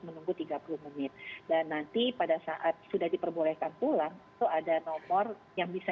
menunggu tiga puluh menit dan nanti pada saat sudah diperbolehkan pulang itu ada nomor yang bisa